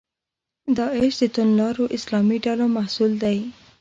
داعش د توندلارو اسلامي ډلو محصول دی.